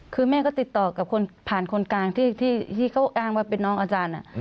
คือแม่ก็ติดต่อกับคนผ่านคนกลางที่เขาอ้างว่าเป็นน้องอาจารย์